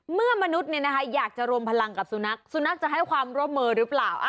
มนุษย์อยากจะรวมพลังกับสุนัขสุนัขจะให้ความร่วมมือหรือเปล่า